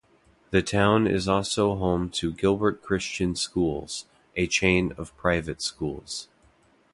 The town is also home to Gilbert Christian Schools, a chain of private schools.